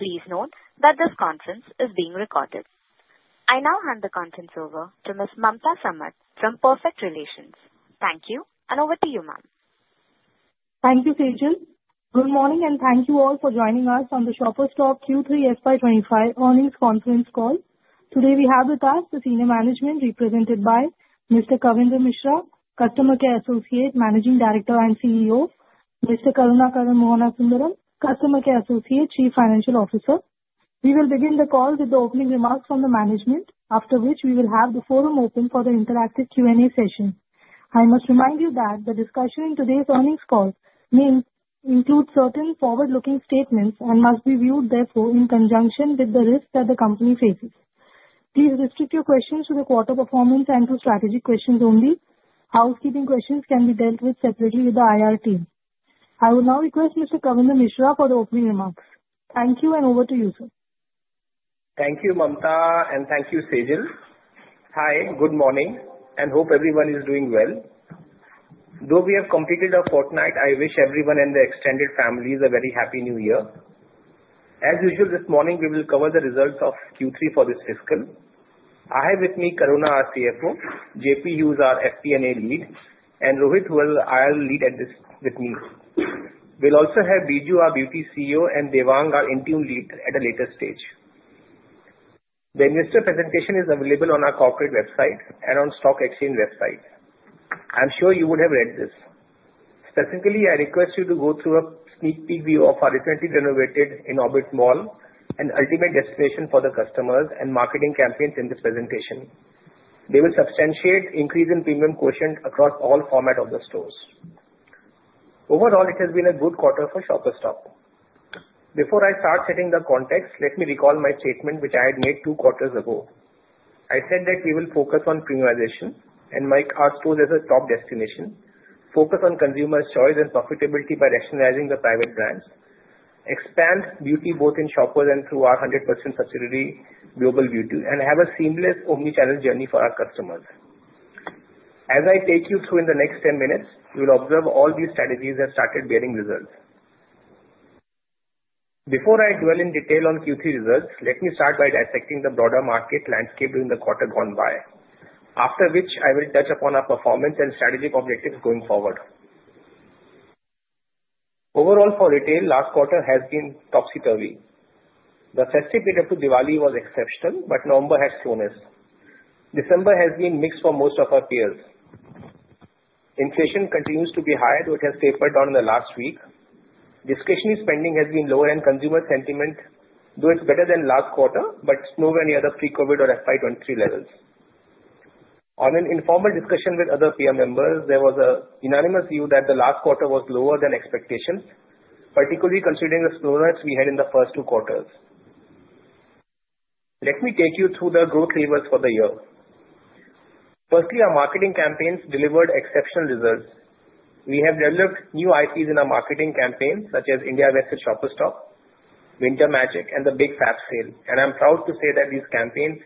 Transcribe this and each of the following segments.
Please note that this conference is being recorded. I now hand the conference over to Ms. Mamta Samat from Perfect Relations. Thank you, and over to you, ma'am. Thank you, Kajal. Good morning, and thank you all for joining us on the Shoppers Stop Q3 FY25 earnings conference call. Today we have with us the senior management represented by Mr. Kavindra Mishra, Customer Care Associate, Managing Director and CEO; Mr. Karunakaran Mohanasundaram, Customer Care Associate, Chief Financial Officer. We will begin the call with the opening remarks from the management, after which we will have the forum open for the interactive Q&A session. I must remind you that the discussion in today's earnings call may include certain forward-looking statements and must be viewed, therefore, in conjunction with the risks that the company faces. Please restrict your questions to the quarter performance and to strategic questions only. Housekeeping questions can be dealt with separately with the IR team. I will now request Mr. Kavindra Mishra for the opening remarks. Thank you, and over to you, sir. Thank you, Mamta, and thank you, Kajal. Hi, good morning, and hope everyone is doing well. Though we have completed our fortnight, I wish everyone and the extended families a very happy New Year. As usual, this morning we will cover the results of Q3 for this fiscal. I have with me Karunakaran, our CFO; JP Hughes, our FP&A lead; and Rohit, who is here with me. We'll also have Biju, our Beauty CEO; and Devang, our interim lead at a later stage. The investor presentation is available on our corporate website and on the stock exchange website. I'm sure you would have read this. Specifically, I request you to go through a sneak peek view of our recently renovated Inorbit Mall and ultimate destination for the customers and marketing campaigns in this presentation. They will substantiate the increase in premium quotient across all formats of the stores. Overall, it has been a good quarter for Shoppers Stop. Before I start setting the context, let me recall my statement which I had made two quarters ago. I said that we will focus on premiumization and make our stores a top destination, focus on consumer choice and profitability by rationalizing the private brands, expand Beauty both in Shoppers Stop and through our 100% subsidiary Global SS Beauty, and have a seamless omnichannel journey for our customers. As I take you through in the next 10 minutes, you will observe all these strategies that started bearing results. Before I dwell in detail on Q3 results, let me start by dissecting the broader market landscape during the quarter gone by, after which I will touch upon our performance and strategic objectives going forward. Overall, for retail, last quarter has been topsy-turvy. The festive period to Diwali was exceptional, but November had slowness. December has been mixed for most of our peers. Inflation continues to be high, though it has tapered down in the last week. Discretionary spending has been lower, and consumer sentiment, though it's better than last quarter, but it's nowhere near the pre-COVID or FY23 levels. On an informal discussion with other peer members, there was a unanimous view that the last quarter was lower than expectations, particularly considering the slowness we had in the first two quarters. Let me take you through the growth levers for the year. Firstly, our marketing campaigns delivered exceptional results. We have developed new IPs in our marketing campaign, such as India Wedding at Shoppers Stop, Winter Magic, and the Big Fat Sale, and I'm proud to say that these campaigns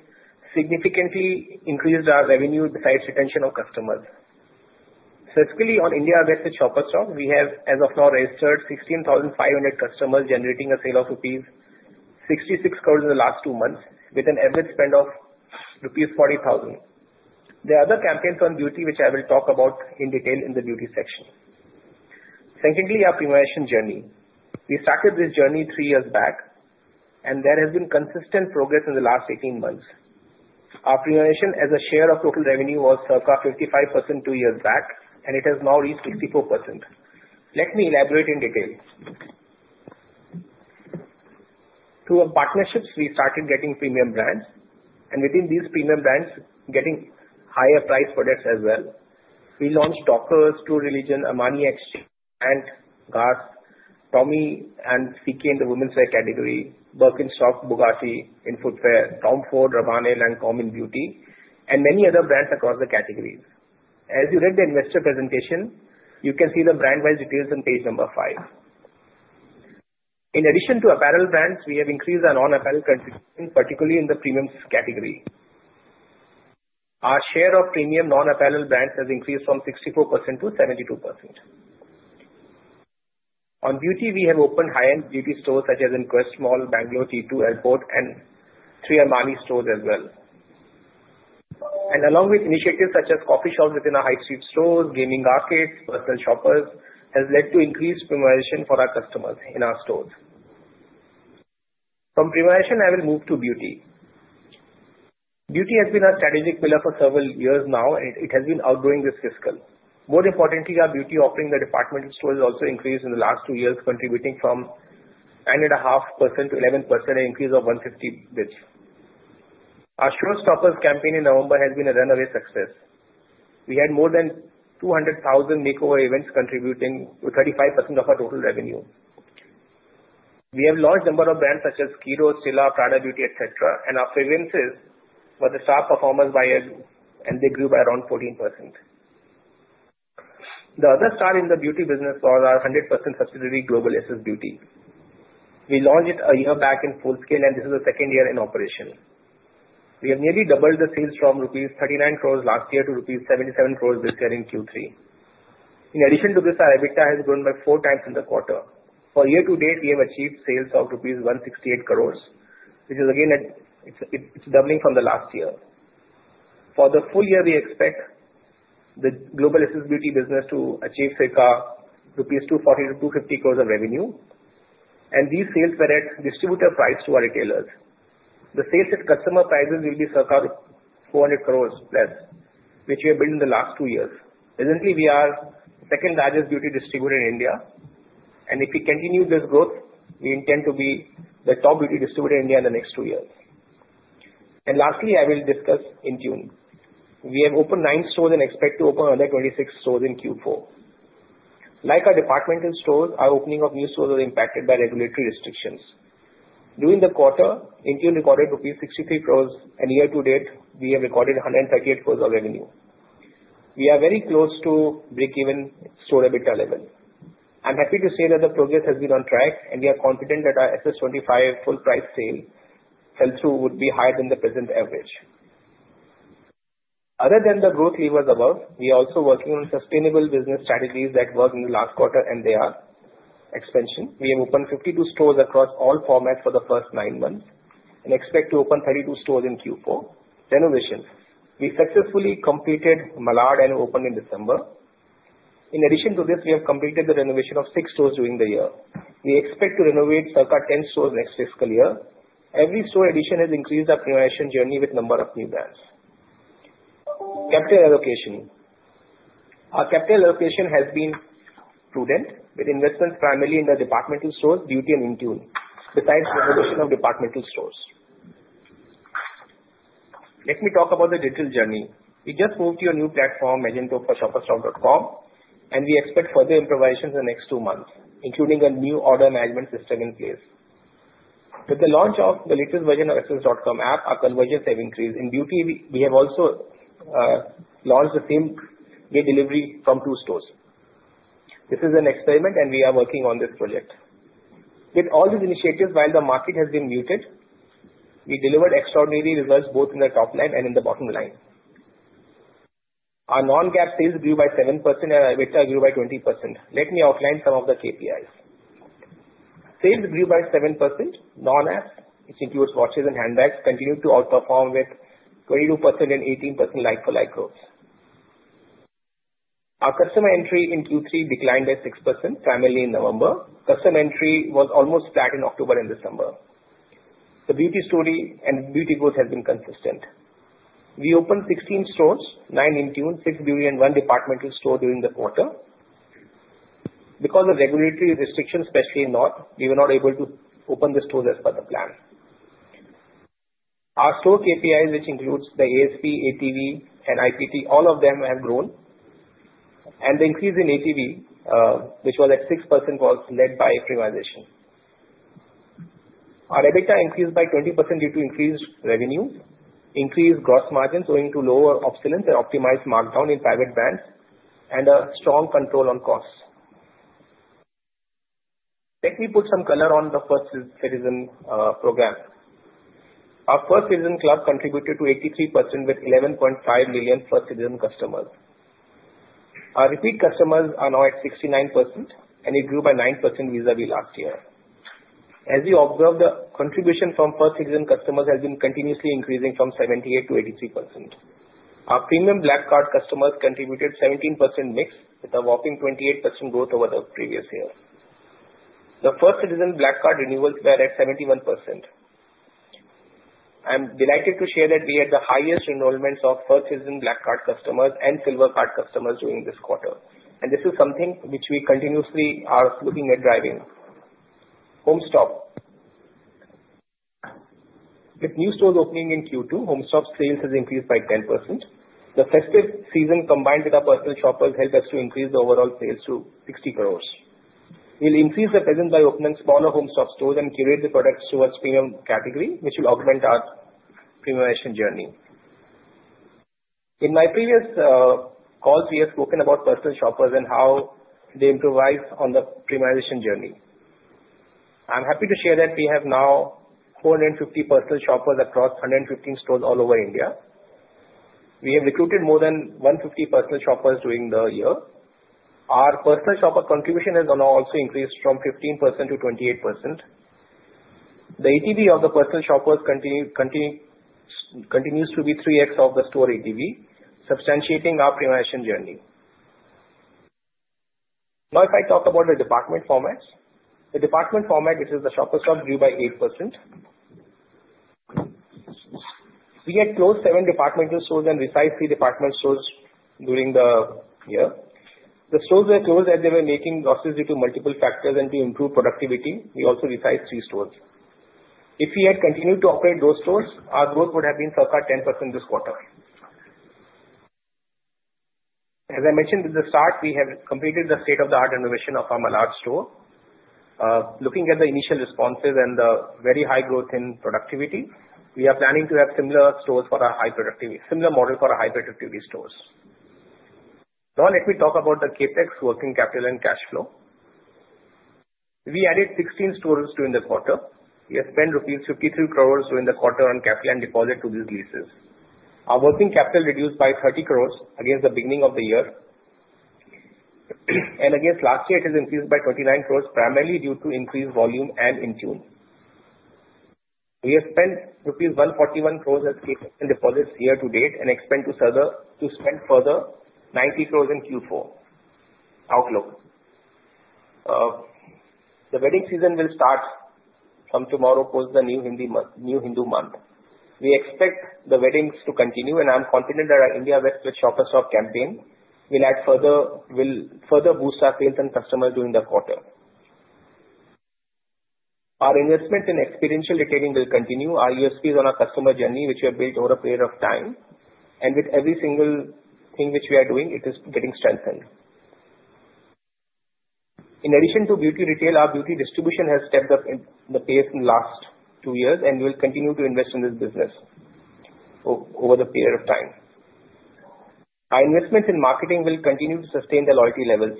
significantly increased our revenue besides retention of customers. Specifically, on India Wedding at Shoppers Stop, we have, as of now, registered 16,500 customers generating a sale of rupees 66 crores in the last two months, with an average spend of rupees 40,000. There are other campaigns on Beauty which I will talk about in detail in the Beauty section. Secondly, our premiumization journey. We started this journey three years back, and there has been consistent progress in the last 18 months. Our premiumization, as a share of total revenue, was circa 55% two years back, and it has now reached 64%. Let me elaborate in detail. Through our partnerships, we started getting premium brands, and within these premium brands, getting higher price products as well. We launched Dockers, True Religion, Armani Exchange, GANT, GAS, Tommy and CK in the women's wear category, Birkenstock, Bugatti in footwear, Tom Ford, Rabanne, and Lancôme in Beauty, and many other brands across the categories. As you read the investor presentation, you can see the brand-wise details on page number five. In addition to apparel brands, we have increased our non-apparel contribution, particularly in the premiums category. Our share of premium non-apparel brands has increased from 64%-72%. On Beauty, we have opened high-end Beauty stores such as in Quest Mall, Bangalore T2 Airport, and three Armani stores as well, and along with initiatives such as coffee shops within our high-street stores, gaming arcades, and personal shoppers, has led to increased premiumization for our customers in our stores. From premiumization, I will move to Beauty. Beauty has been our strategic pillar for several years now, and it has been outgrowing this fiscal. More importantly, our Beauty offering in the department stores also increased in the last two years, contributing from 9.5%-11%, an increase of 150 basis points. Our Showstoppers campaign in November has been a runaway success. We had more than 200,000 makeover events contributing to 35% of our total revenue. We have launched a number of brands such as Kiro, Stila, Prada Beauty, etc., and our fragrances were the star performers by. They grew by around 14%. The other star in the Beauty business was our 100% subsidiary Global SS Beauty. We launched it a year back in full scale, and this is the second year in operation. We have nearly doubled the sales from rupees 39 crores last year to rupees 77 crores this year in Q3. In addition to this, our EBITDA has grown by four times in the quarter. For year to date, we have achieved sales of rupees 168 crores, which is again doubling from the last year. For the full year, we expect the Global SS Beauty business to achieve circa rupees 240-250 crores of revenue, and these sales were at distributor price to our retailers. The sales at customer prices will be circa 400 crores+, which we have built in the last two years. Presently, we are the second largest Beauty distributor in India, and if we continue this growth, we intend to be the top Beauty distributor in India in the next two years. And lastly, I will discuss Intune. We have opened nine stores and expect to open another 26 stores in Q4. Like our departmental stores, our opening of new stores was impacted by regulatory restrictions. During the quarter, Intune recorded 63 crores rupees, and year to date, we have recorded 138 crores of revenue. We are very close to break-even store EBITDA level. I'm happy to say that the progress has been on track, and we are confident that our SS25 full price sales LFL would be higher than the present average. Other than the growth levers above, we are also working on sustainable business strategies that worked in the last quarter, and they are expansion. We have opened 52 stores across all formats for the first nine months and expect to open 32 stores in Q4. Renovation. We successfully completed Malad and opened in December. In addition to this, we have completed the renovation of six stores during the year. We expect to renovate circa 10 stores next fiscal year. Every store addition has increased our premiumization journey with a number of new brands. Capital allocation. Our capital allocation has been prudent, with investments primarily in the departmental stores, SS Beauty, and Intune, besides renovation of departmental stores. Let me talk about the digital journey. We just moved to a new platform, Magento for ShoppersStop.com, and we expect further improvisations in the next two months, including a new order management system in place. With the launch of the latest version of SS.com app, our conversions have increased. In SS Beauty, we have also launched the same delivery from two stores. This is an experiment, and we are working on this project. With all these initiatives, while the market has been muted, we delivered extraordinary results both in the top line and in the bottom line. Our non-apparel sales grew by 7%, and our EBITDA grew by 20%. Let me outline some of the KPIs. Sales grew by 7%. Non-apparel, which includes watches and handbags, continued to outperform with 22% and 18% like-for-like growth. Our customer entry in Q3 declined by 6%, primarily in November. Customer entry was almost flat in October and December. The beauty story and beauty growth have been consistent. We opened 16 stores, nine Intune, six beauty, and one department store during the quarter. Because of regulatory restrictions, especially in North India, we were not able to open the stores as per the plan. Our store KPIs, which include the ASP, ATV, and IPT, all of them have grown, and the increase in ATV, which was at 6%, was led by premiumization. Our EBITDA increased by 20% due to increased revenue, increased gross margins owing to lower obsolescence, and optimized markdown in private brands, and a strong control on costs. Let me put some color on the First Citizen program. Our First Citizen club contributed to 83% with 11.5 million First Citizen customers. Our repeat customers are now at 69%, and it grew by 9% vis-à-vis last year. As you observe, the contribution from First Citizen customers has been continuously increasing from 78%-83%. Our Premium Black card customers contributed 17% mix, with a whopping 28% growth over the previous year. The First Citizen Black card renewals were at 71%. I'm delighted to share that we had the highest enrollments of First Citizen Black card customers and Silver card customers during this quarter, and this is something which we continuously are looking at driving. HomeStop. With new stores opening in Q2, HomeStop sales have increased by 10%. The festive season combined with our personal shoppers helped us to increase the overall sales to 60 crores. We'll increase the presence by opening smaller HomeStop stores and curate the products towards premium category, which will augment our premiumization journey. In my previous calls, we have spoken about personal shoppers and how they improvise on the premiumization journey. I'm happy to share that we have now 450 personal shoppers across 115 stores all over India. We have recruited more than 150 personal shoppers during the year. Our personal shopper contribution has now also increased from 15%-28%. The ATV of the personal shoppers continues to be 3X of the store ATV, substantiating our premiumization journey. Now, if I talk about the department formats, the department format, which is the Shoppers Stop, grew by 8%. We had closed seven departmental stores and resized three department stores during the year. The stores were closed as they were making losses due to multiple factors and to improve productivity. We also resized three stores. If we had continued to operate those stores, our growth would have been circa 10% this quarter. As I mentioned at the start, we have completed the state-of-the-art renovation of our Malad store. Looking at the initial responses and the very high growth in productivity, we are planning to have similar stores for our high productivity, similar model for our high productivity stores. Now, let me talk about the CapEx, working capital, and cash flow. We added 16 stores during the quarter. We have spent 53 crores rupees during the quarter on capital and deposit to these leases. Our working capital reduced by 30 crores against the beginning of the year, and against last year, it has increased by 29 crores, primarily due to increased volume and Intune. We have spent rupees 141 crores as CapEx and deposits year to date, and expect to spend further 90 crores in Q4. Outlook. The wedding season will start from tomorrow, post the new Hindu month. We expect the weddings to continue, and I'm confident that our India Wedding at Shoppers Stop campaign will further boost our sales and customers during the quarter. Our investment in experiential retailing will continue. Our USP is on our customer journey, which we have built over a period of time, and with every single thing which we are doing, it is getting strengthened. In addition to Beauty retail, our Beauty distribution has stepped up in the pace in the last two years, and we will continue to invest in this business over the period of time. Our investment in marketing will continue to sustain the loyalty levels.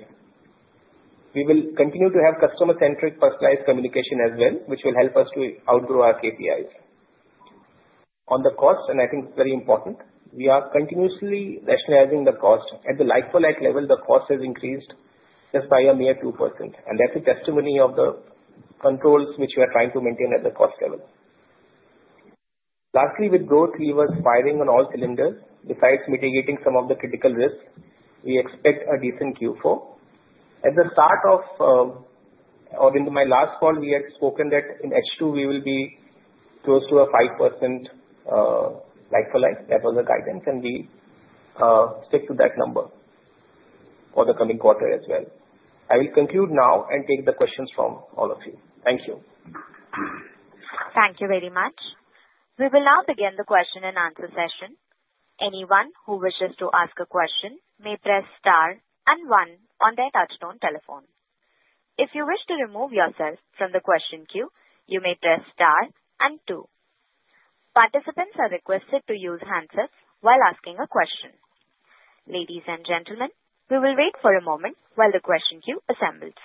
We will continue to have customer-centric personalized communication as well, which will help us to outgrow our KPIs. On the cost, and I think it's very important, we are continuously rationalizing the cost. At the like-for-like level, the cost has increased just by a mere 2%, and that's a testimony of the controls which we are trying to maintain at the cost level. Lastly, with growth levers firing on all cylinders, besides mitigating some of the critical risks, we expect a decent Q4. At the start of, or in my last call, we had spoken that in H2 we will be close to a 5% like-for-like. That was the guidance, and we stick to that number for the coming quarter as well. I will conclude now and take the questions from all of you. Thank you. Thank you very much. We will now begin the question and answer session. Anyone who wishes to ask a question may press star and one on their touchtone telephone. If you wish to remove yourself from the question queue, you may press star and two. Participants are requested to use handsets while asking a question. Ladies and gentlemen, we will wait for a moment while the question queue assembles.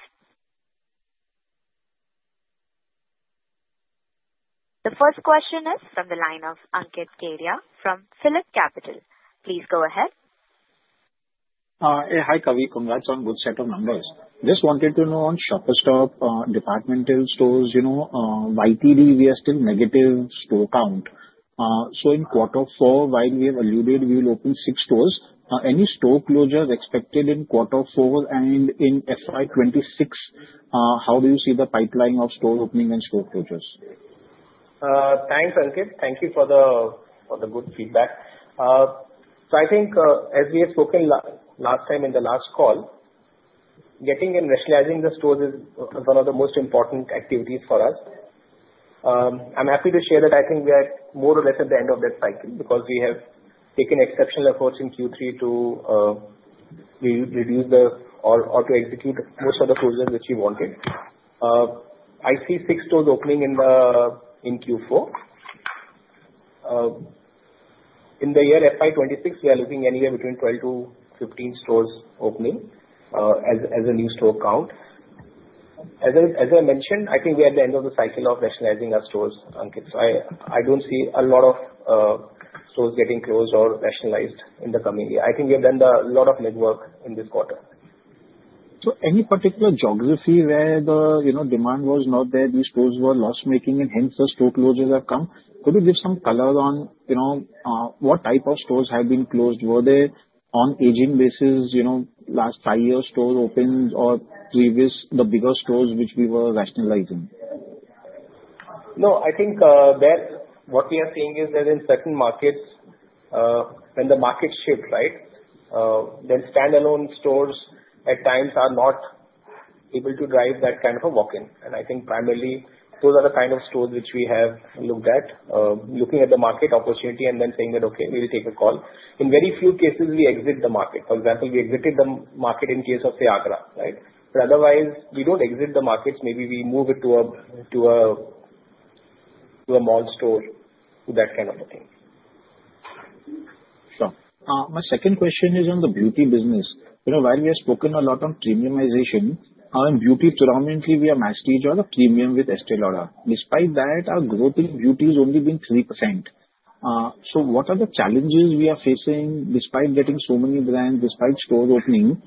The first question is from the line of Ankit Kedia from PhillipCapital. Please go ahead. Hey, hi, Kavindra. It's a good set of numbers. Just wanted to know on Shoppers Stop department stores, you know, YTD we are still negative store count. So in quarter four, while we have alluded, we will open six stores. Any store closures expected in quarter four and in FY26? How do you see the pipeline of store opening and store closures? Thanks, Ankit. Thank you for the good feedback. So I think, as we have spoken last time in the last call, getting and rationalizing the stores is one of the most important activities for us. I'm happy to share that I think we are more or less at the end of that cycle because we have taken exceptional efforts in Q3 to reduce or to execute most of the closures which we wanted. I see six stores opening in Q4. In the year FY26, we are looking anywhere between 12-15 stores opening as a new store count. As I mentioned, I think we are at the end of the cycle of rationalizing our stores, Ankit. So I don't see a lot of stores getting closed or rationalized in the coming year. I think we have done a lot of legwork in this quarter. So any particular geography where the demand was not there, these stores were loss-making, and hence the store closures have come? Could you give some color on what type of stores have been closed? Were they on aging basis, last five-year stores opened, or previous the bigger stores which we were rationalizing? No, I think what we are seeing is that in certain markets, when the market shifts, right, then standalone stores at times are not able to drive that kind of a walk-in. And I think primarily those are the kind of stores which we have looked at, looking at the market opportunity and then saying that, "Okay, we'll take a call." In very few cases, we exit the market. For example, we exited the market in case of the Agra, right? But otherwise, we don't exit the markets. Maybe we move it to a mall store, that kind of a thing. Sure. My second question is on the Beauty business. While we have spoken a lot on premiumization, in Beauty predominantly, we have matched each other premium with Estée Lauder. Despite that, our growth in Beauty has only been 3%. So what are the challenges we are facing despite getting so many brands, despite stores opening?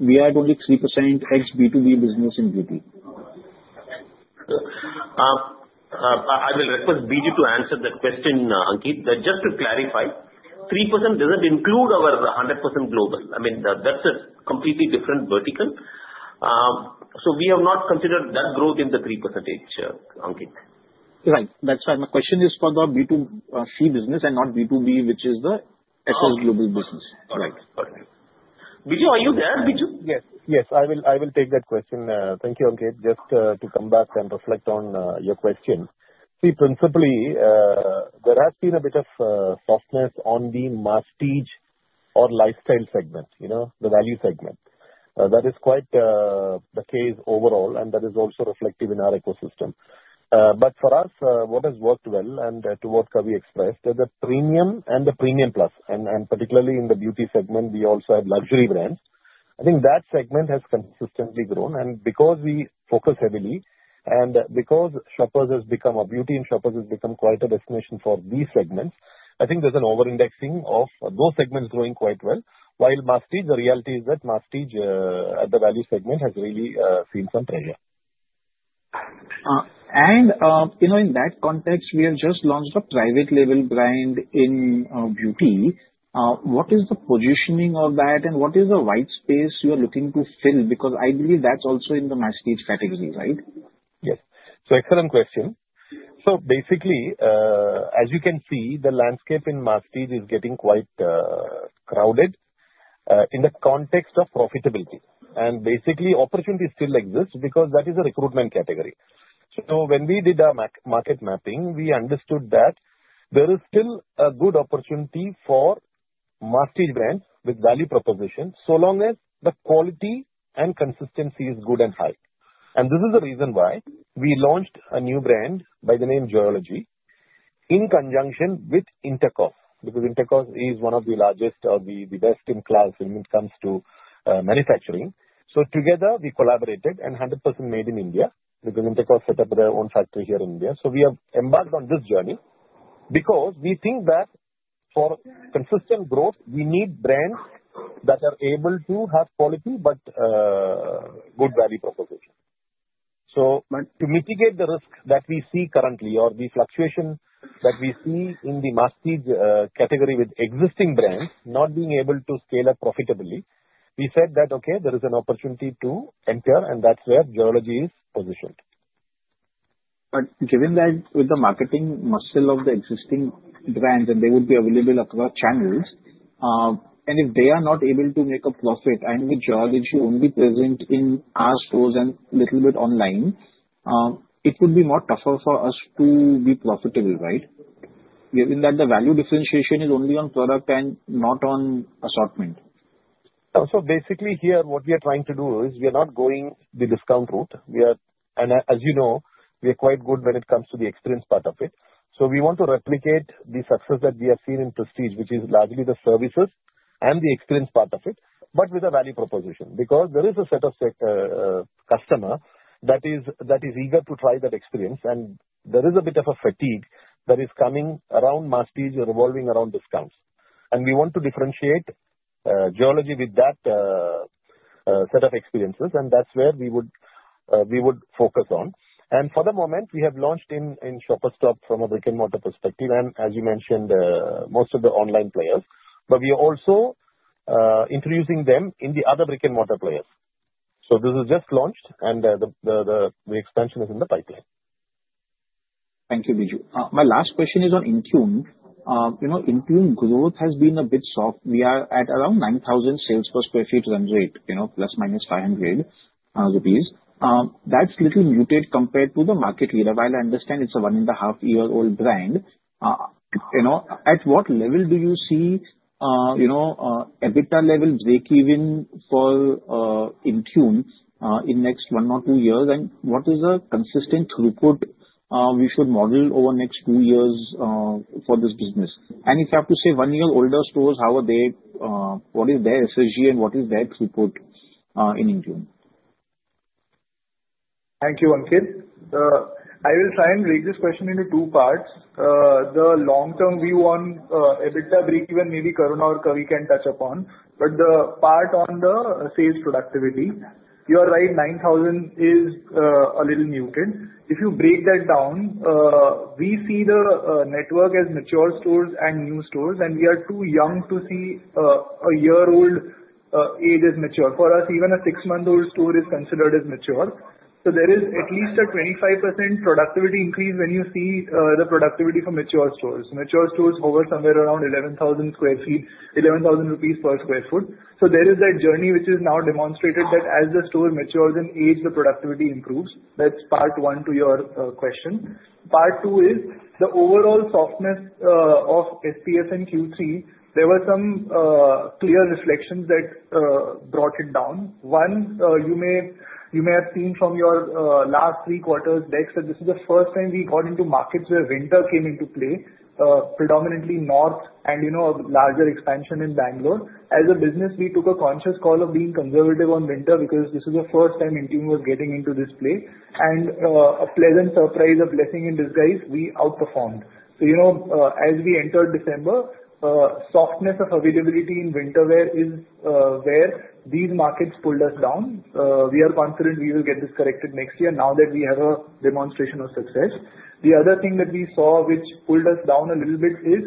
We are at only 3% ex B2B business in Beauty. I will request Biju to answer the question, Ankit. Just to clarify, 3% doesn't include our 100% global. I mean, that's a completely different vertical. So we have not considered that growth in the 3%, Ankit. Right. That's why my question is for the B2C business and not B2B, which is the SS global business. Right. Right. Biju, are you there? Biju? Yes. Yes. I will take that question. Thank you, Ankit. Just to come back and reflect on your question. See, principally, there has been a bit of softness on the masstige or lifestyle segment, the value segment. That is quite the case overall, and that is also reflective in our ecosystem, but for us, what has worked well, and to what Kavindra expressed, is the premium and the premium plus, and particularly in the beauty segment, we also have luxury brands. I think that segment has consistently grown. And because we focus heavily and because Shoppers has become a beauty and Shoppers has become quite a destination for these segments, I think there's an over-indexing of those segments growing quite well. While masstige, the reality is that masstige at the value segment has really seen some pressure. And in that context, we have just launched a private label brand in beauty. What is the positioning of that, and what is the white space you are looking to fill? Because I believe that's also in the masstige category, right? Yes. So excellent question. So basically, as you can see, the landscape in masstige is getting quite crowded in the context of profitability. And basically, opportunity still exists because that is a huge category. So when we did our market mapping, we understood that there is still a good opportunity for masstige brands with value proposition so long as the quality and consistency is good and high. And this is the reason why we launched a new brand by the name Geologie in conjunction with Intercos, because Intercos is one of the largest or the best in class when it comes to manufacturing. So together, we collaborated and 100% made in India because Intercos set up their own factory here in India. So we have embarked on this journey because we think that for consistent growth, we need brands that are able to have quality but good value proposition. So to mitigate the risk that we see currently or the fluctuation that we see in the masstige category with existing brands not being able to scale up profitably, we said that, "Okay, there is an opportunity to enter," and that's where Geologie is positioned. But given that with the marketing muscle of the existing brands and they would be available across channels, and if they are not able to make a profit, and with Geologie only present in our stores and a little bit online, it would be more tougher for us to be profitable, right? Given that the value differentiation is only on product and not on assortment. So basically here, what we are trying to do is we are not going the discount route. And as you know, we are quite good when it comes to the experience part of it. We want to replicate the success that we have seen in Prestige, which is largely the services and the experience part of it, but with a value proposition because there is a set of customers that is eager to try that experience, and there is a bit of a fatigue that is coming around masstige or revolving around discounts. And we want to differentiate Geologie with that set of experiences, and that's where we would focus on. And for the moment, we have launched in Shoppers Stop from a brick-and-mortar perspective, and as you mentioned, most of the online players. But we are also introducing them in the other brick-and-mortar players. So this is just launched, and the expansion is in the pipeline. Thank you, Biju. My last question is on Intune. Intune growth has been a bit soft. We are at around 9,000 sales per sq ft run rate, ±500 rupees. That's a little muted compared to the market leader. While I understand it's a one and a half year old brand, at what level do you see EBITDA level breakeven for Intune in the next one or two years, and what is a consistent throughput we should model over the next two years for this business? And if you have to say one year older stores, how are they? What is their SSG, and what is their throughput in Intune? Thank you, Ankit. I will try and break this question into two parts. The long-term view on EBITDA breakeven, maybe Karun or Kavindra can touch upon, but the part on the sales productivity, you are right, 9,000 is a little muted. If you break that down, we see the network as mature stores and new stores, and we are too young to see a year-old age as mature. For us, even a six-month-old store is considered as mature. So there is at least a 25% productivity increase when you see the productivity for mature stores. Mature stores hover somewhere around 11,000 sq ft, 11,000 rupees per sq ft. So there is that journey which is now demonstrated that as the store matures in age, the productivity improves. That's part one to your question. Part two is the overall softness of SPS in Q3. There were some clear reflections that brought it down. One, you may have seen from your last three quarters decks that this is the first time we got into markets where winter came into play, predominantly north and a larger expansion in Bangalore. As a business, we took a conscious call of being conservative on winter because this is the first time Intune was getting into this play. And a pleasant surprise, a blessing in disguise, we outperformed. So as we entered December, softness of availability in winter wear is where these markets pulled us down. We are confident we will get this corrected next year now that we have a demonstration of success. The other thing that we saw which pulled us down a little bit is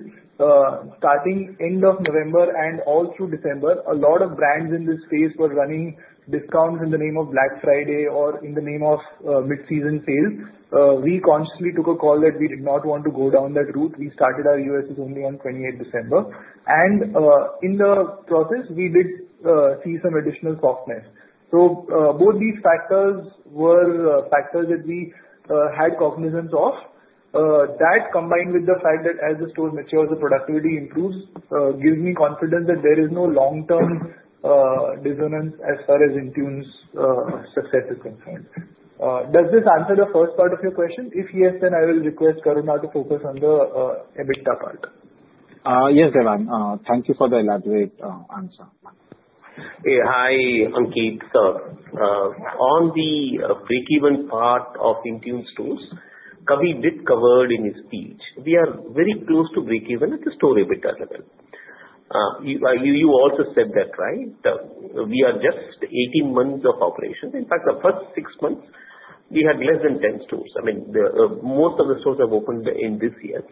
starting end of November and all through December, a lot of brands in this phase were running discounts in the name of Black Friday or in the name of mid-season sales. We consciously took a call that we did not want to go down that route. We started our EOSS only on 28th December. And in the process, we did see some additional softness. Both these factors were factors that we had cognizance of. That combined with the fact that as the stores mature, the productivity improves, gives me confidence that there is no long-term dissonance as far as Intune's success is concerned. Does this answer the first part of your question? If yes, then I will request Karun to focus on the EBITDA part. Yes, Devang. Thank you for the elaborate answer. Hey, hi, Ankit. On the breakeven part of Intune's stores, Kavindra did cover it in his speech. We are very close to breakeven at the store EBITDA level. You also said that, right? We are just 18 months of operation. In fact, the first six months, we had less than 10 stores. I mean, most of the stores have opened in this year.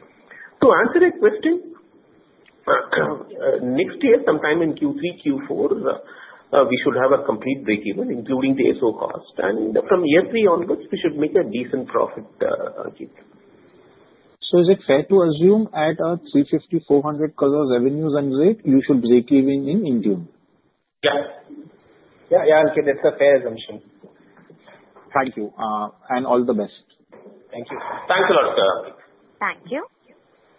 To answer that question, next year, sometime in Q3, Q4, we should have a complete breakeven, including the SO cost. And from year three onwards, we should make a decent profit, Ankit. So is it fair to assume at a 350-400 revenues and rate, you should breakeven in Intune? Yeah. Yeah, yeah, Ankit. That's a fair assumption. Thank you. And all the best. Thank you. Thanks a lot, Ankit. Thank you.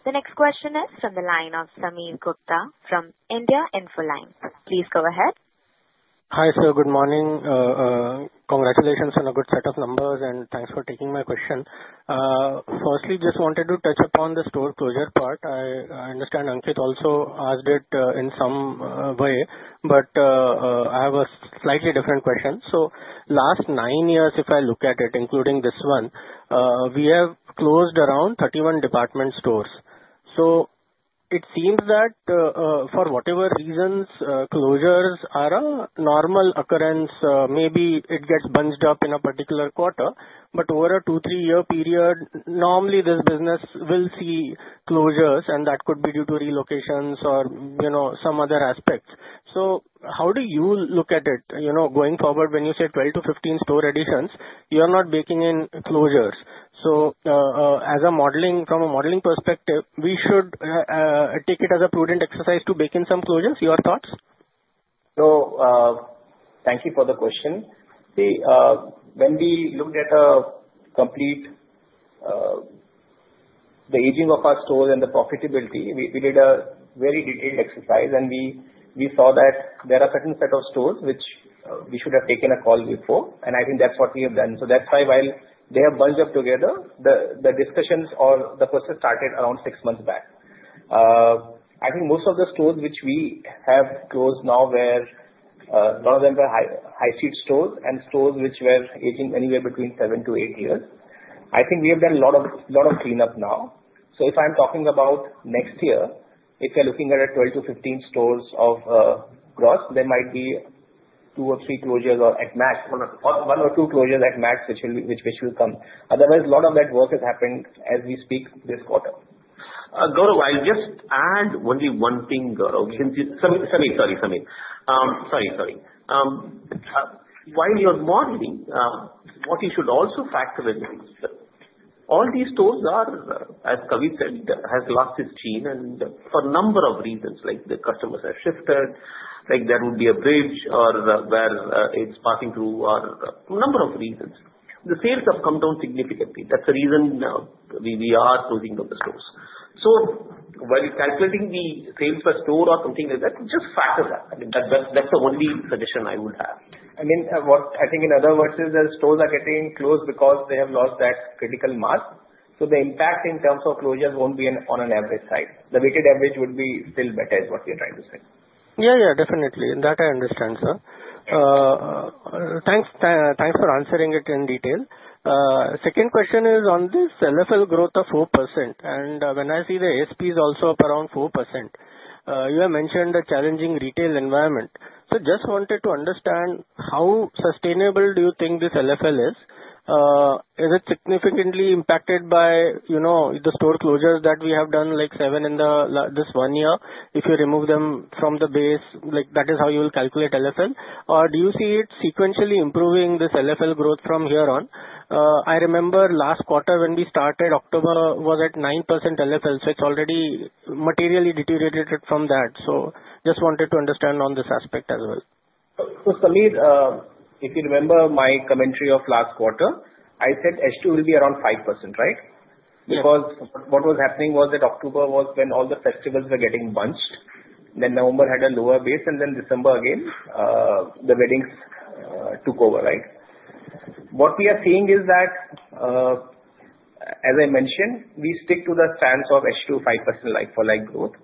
The next question is from the line of Sameer Gupta from India Infoline. Please go ahead. Hi sir, good morning. Congratulations on a good set of numbers, and thanks for taking my question. Firstly, just wanted to touch upon the store closure part. I understand Ankit also asked it in some way, but I have a slightly different question. So last nine years, if I look at it, including this one, we have closed around 31 department stores. It seems that for whatever reasons, closures are a normal occurrence. Maybe it gets bunched up in a particular quarter, but over a two, three-year period, normally this business will see closures, and that could be due to relocations or some other aspects. So how do you look at it? Going forward, when you say 12-15 store additions, you are not baking in closures. So from a modeling perspective, we should take it as a prudent exercise to bake in some closures. Your thoughts? So thank you for the question. When we looked at the aging of our stores and the profitability, we did a very detailed exercise, and we saw that there are a certain set of stores which we should have taken a call before. And I think that's what we have done. So that's why while they are bunched up together, the discussions or the process started around six months back. I think most of the stores which we have closed now, a lot of them were high street stores and stores which were aging anywhere between seven to eight years. I think we have done a lot of cleanup now. So if I'm talking about next year, if you're looking at 12-15 stores across, there might be two or three closures or at max, one or two closures at max which will come. Otherwise, a lot of that work has happened as we speak this quarter. Guru, I'll just add only one thing, Guru. Sameer, sorry, Sameer. Sorry, sorry. While you're modeling, what you should also factor in is all these stores are, as Kavindra said, has lost its sheen for a number of reasons. The customers have shifted. There would be a bridge or where it's passing through or a number of reasons. The sales have come down significantly. That's the reason we are closing down the stores. So while calculating the sales per store or something like that, just factor that. I mean, that's the only suggestion I would have. I mean, I think in other words, the stores are getting closed because they have lost that critical mass. So the impact in terms of closures won't be on an average side. The weighted average would be still better is what you're trying to say. Yeah, yeah, definitely. That I understand, sir. Thanks for answering it in detail. Second question is on this LFL growth of 4%. And when I see the SPS also up around 4%, you have mentioned the challenging retail environment. So just wanted to understand how sustainable do you think this LFL is? Is it significantly impacted by the store closures that we have done, like seven in this one year? If you remove them from the base, that is how you will calculate LFL. Or do you see it sequentially improving this LFL growth from here on? I remember last quarter when we started, October was at 9% LFL, so it's already materially deteriorated from that. So just wanted to understand on this aspect as well. So Sameer, if you remember my commentary of last quarter, I said H2 will be around 5%, right? Because what was happening was that October was when all the festivals were getting bunched. Then November had a lower base, and then December again, the weddings took over, right? What we are seeing is that, as I mentioned, we stick to the stance of H2, 5% like-for-like growth.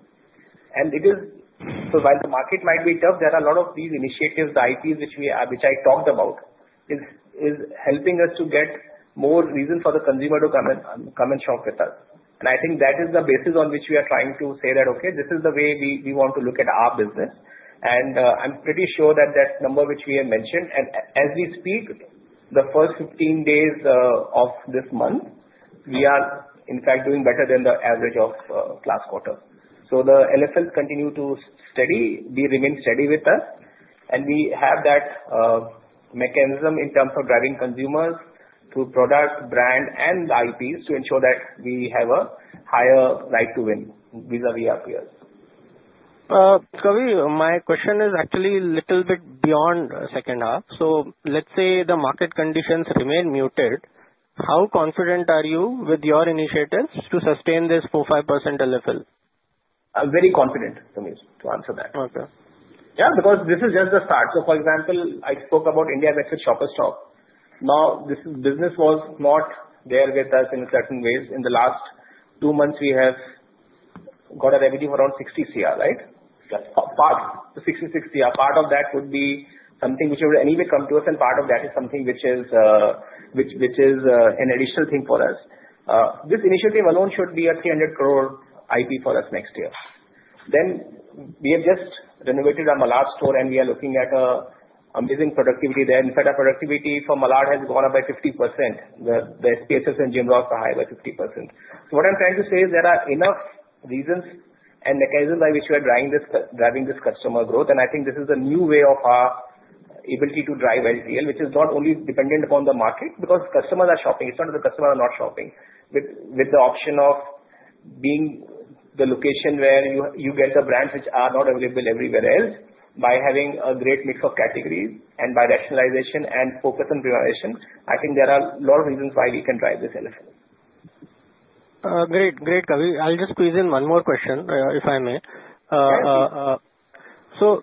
While the market might be tough, there are a lot of these initiatives, the IPs which I talked about, is helping us to get more reason for the consumer to come and shop with us. I think that is the basis on which we are trying to say that, "Okay, this is the way we want to look at our business." I'm pretty sure that that number which we have mentioned, and as we speak, the first 15 days of this month, we are in fact doing better than the average of last quarter. The LFLs continue to remain steady with us, and we have that mechanism in terms of driving consumers through product, brand, and IPs to ensure that we have a higher right to win vis-à-vis our peers. Kavindra, my question is actually a little bit beyond the second half. So let's say the market conditions remain muted, how confident are you with your initiatives to sustain this 4%-5% LFL? Very confident, Sameer, to answer that. Yeah, because this is just the start. So for example, I spoke about Intune at Shoppers Stop. Now, this business was not there with us in certain ways. In the last two months, we have got a revenue of around 60 crore, right? 66 crore. Part of that would be something which would anyway come to us, and part of that is something which is an additional thing for us. This initiative alone should be a 300 crore upside for us next year. Then we have just renovated our Malad store, and we are looking at an amazing productivity there. In fact, our productivity for Malad has gone up by 50%. The SPS and GMROS are higher by 50%. So what I'm trying to say is there are enough reasons and mechanisms by which we are driving this customer growth, and I think this is a new way of our ability to drive LFL, which is not only dependent upon the market because customers are shopping. It's not that the customers are not shopping. With the option of being the location where you get the brands which are not available everywhere else, by having a great mix of categories and by rationalization and focus on prioritization, I think there are a lot of reasons why we can drive this LFL. Great, great, Kavindra. I'll just squeeze in one more question if I may. So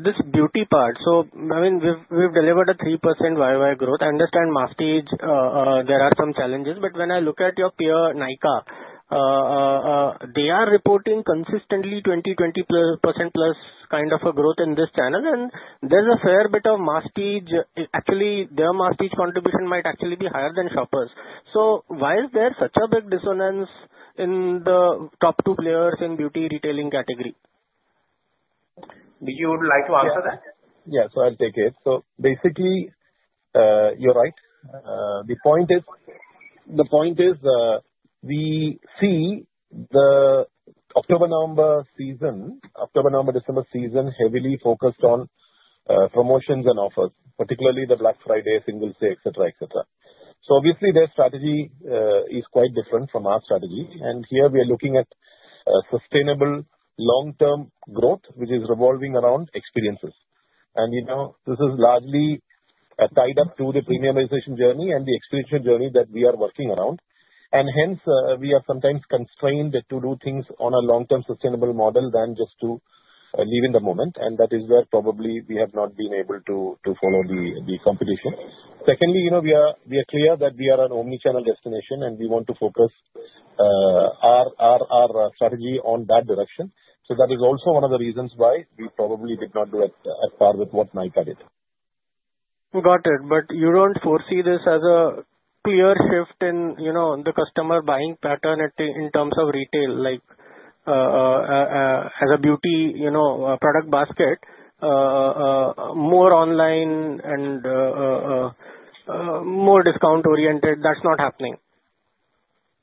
this beauty part. So I mean, we've delivered a 3% YY growth. I understand masstige, there are some challenges, but when I look at your peer, Nykaa, they are reporting consistently 20-20%+ kind of a growth in this channel, and there's a fair bit of masstige. Actually, their masstige contribution might actually be higher than Shoppers. So why is there such a big dissonance in the top two players in beauty retailing category? You would like to answer that? Yeah, so I'll take it. So basically, you're right. The point is we see the October, November season, October, November, December season heavily focused on promotions and offers, particularly the Black Friday, Singles Day, etc., etc. So obviously, their strategy is quite different from our strategy. And here we are looking at sustainable long-term growth, which is revolving around experiences. And this is largely tied up to the premiumization journey and the expansion journey that we are working around. And hence, we are sometimes constrained to do things on a long-term sustainable model than just to live in the moment. And that is where probably we have not been able to follow the competition. Secondly, we are clear that we are an omnichannel destination, and we want to focus our strategy on that direction. So that is also one of the reasons why we probably did not do as far with what Nykaa did. Got it. But you don't foresee this as a clear shift in the customer buying pattern in terms of retail, as a beauty product basket, more online and more discount-oriented? That's not happening.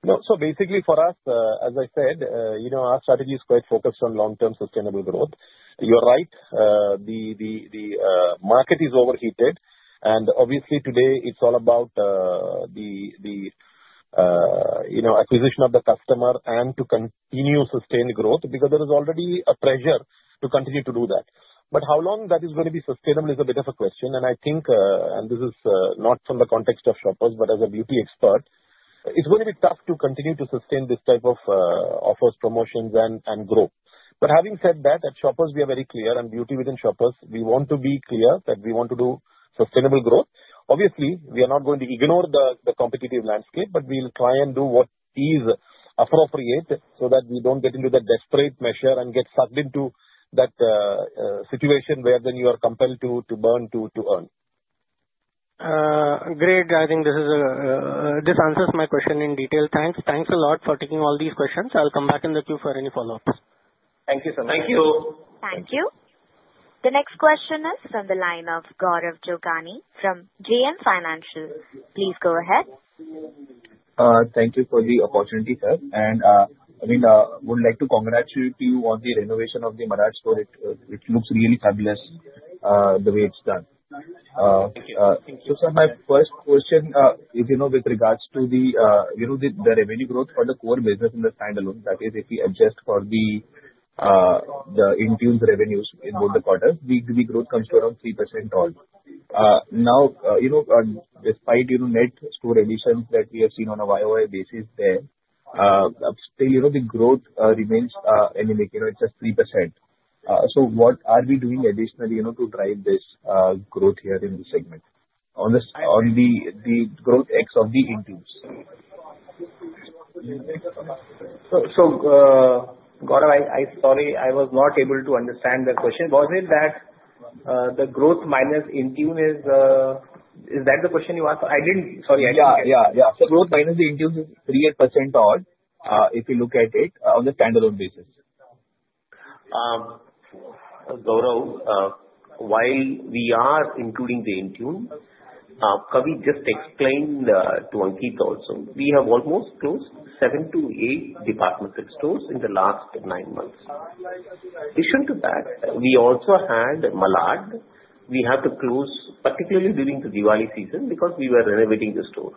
No. So basically for us, as I said, our strategy is quite focused on long-term sustainable growth. You're right. The market is overheated. And obviously today, it's all about the acquisition of the customer and to continue sustained growth because there is already a pressure to continue to do that. But how long that is going to be sustainable is a bit of a question. And I think, and this is not from the context of Shoppers, but as a beauty expert, it's going to be tough to continue to sustain this type of offers, promotions, and growth. But having said that, at Shoppers, we are very clear, and beauty within Shoppers, we want to be clear that we want to do sustainable growth. Obviously, we are not going to ignore the competitive landscape, but we'll try and do what is appropriate so that we don't get into that desperate measure and get sucked into that situation where then you are compelled to burn to earn. Great. I think this answers my question in detail. Thanks. Thanks a lot for taking all these questions. I'll come back in the queue for any follow-ups. Thank you so much. Thank you. Thank you. The next question is from the line of Gaurav Jogani from JM Financial. Please go ahead. Thank you for the opportunity, sir. And I mean, I would like to congratulate you on the renovation of the Malad store. It looks really fabulous the way it's done. Thank you. So sir, my first question is with regards to the revenue growth for the core business in the standalone. That is, if we adjust for the Intune's revenues in both the quarters, the growth comes to around 3% all. Now, despite net store additions that we have seen on a YY basis there, still the growth remains anemic. It's just 3%. So what are we doing additionally to drive this growth here in the segment on the growth X of the Intune? So Gaurav, sorry, I was not able to understand the question. Was it that the growth minus Intune is that the question you asked? Sorry, I didn't hear. Yeah, yeah, yeah. So growth minus the Intune is 38% all if you look at it on the standalone basis. Gaurav, while we are including the Intune, Kavindra, just explain to Ankit also. We have almost closed seven to eight department store stores in the last nine months. In addition to that, we also had Malad. We had to close, particularly during the Diwali season because we were renovating the store.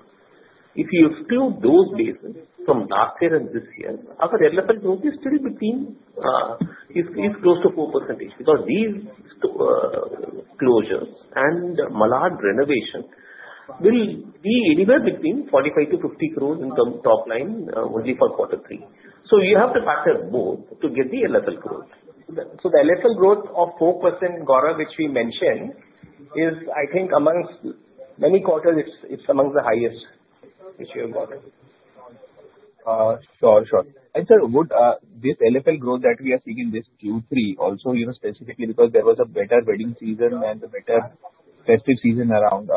If you exclude those bases from last year and this year, our LFL growth is still between close to 4% because these closures and Malad renovation will be anywhere between 45-50 crores in the top line only for quarter three. So you have to factor both to get the LFL growth. So the LFL growth of 4%, Gaurav, which we mentioned, is I think amongst many quarters, it's amongst the highest which we have gotten. Sure, sure. And sir, this LFL growth that we are seeing in this Q3 also specifically because there was a better wedding season and a better festive season around.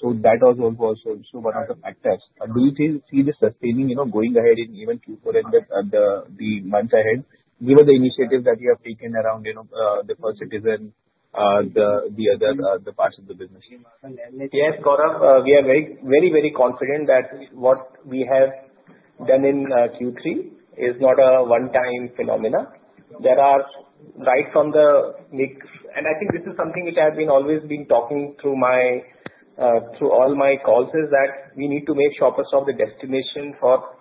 So that was also one of the factors. Do you see this sustaining going ahead in even Q4 and the months ahead given the initiatives that you have taken around the First Citizen, the other parts of the business? Yes, Gaurav. We are very, very confident that what we have done in Q3 is not a one-time phenomenon. There are right from the big, and I think this is something which I have always been talking through all my calls, is that we need to make Shoppers Stop the destination for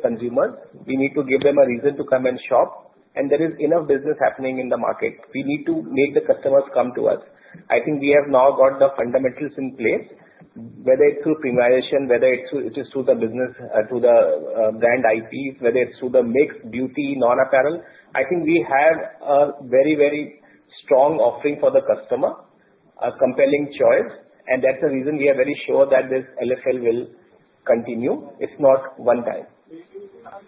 consumers. We need to give them a reason to come and shop, and there is enough business happening in the market. We need to make the customers come to us. I think we have now got the fundamentals in place, whether it's through premiumization, whether it is through the business, through the brand IPs, whether it's through the mixed beauty, non-apparel. I think we have a very, very strong offering for the customer, a compelling choice, and that's the reason we are very sure that this LFL will continue. It's not one time.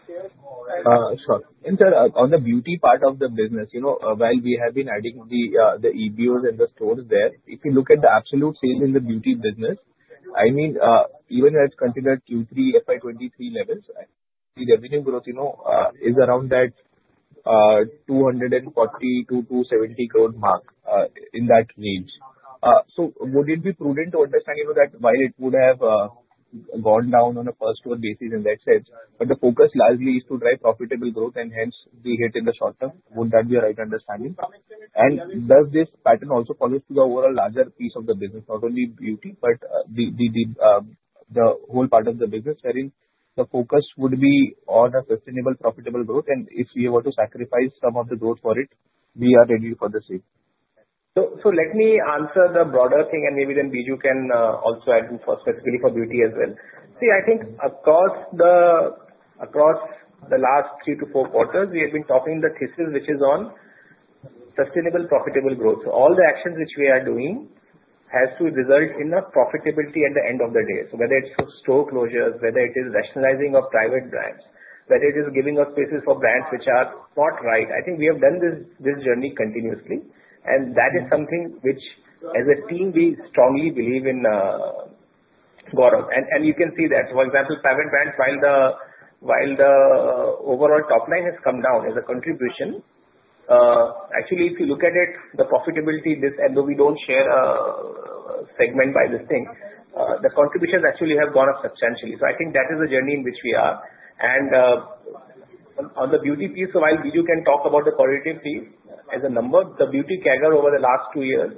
Sure. Sir, on the beauty part of the business, while we have been adding the EBOs and the stores there, if you look at the absolute sales in the beauty business, I mean, even at considered Q3, FY23 levels, the revenue growth is around that 240-270 crore mark in that range. Would it be prudent to understand that while it would have gone down on a first-store basis and that said, but the focus largely is to drive profitable growth and hence be hit in the short term? Would that be a right understanding? Does this pattern also follow through the overall larger piece of the business, not only beauty, but the whole part of the business wherein the focus would be on a sustainable, profitable growth? If we were to sacrifice some of the growth for it, we are ready for the same. So let me answer the broader thing, and maybe then Biju can also add specifically for beauty as well. See, I think across the last three to four quarters, we have been talking the thesis which is on sustainable, profitable growth. So all the actions which we are doing has to result in a profitability at the end of the day. So whether it's store closures, whether it is rationalizing of private brands, whether it is giving up spaces for brands which are not right. I think we have done this journey continuously. And that is something which, as a team, we strongly believe in, Gaurav. And you can see that. For example, private brands, while the overall top line has come down as a contribution, actually, if you look at it, the profitability, although we don't share a segment by this thing, the contributions actually have gone up substantially. So I think that is the journey in which we are. And on the beauty piece, while Biju can talk about the qualitative piece as a number, the beauty CAGR over the last two years